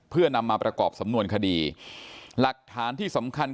เพื่อนำมาประกอบสำนวนคดีหลักฐานที่สำคัญ